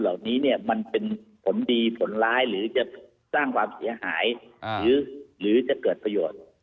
เหล่านี้เนี่ยมันเป็นผลดีผลร้ายหรือจะสร้างความเสียหายหรือจะเกิดประโยชน์